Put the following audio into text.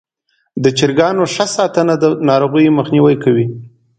د چرګانو ښه ساتنه د ناروغیو مخنیوی کوي.